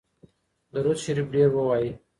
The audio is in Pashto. درود شریف ډیر ووایئ.